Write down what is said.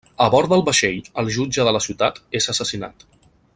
A bord del vaixell, el jutge de la ciutat és assassinat.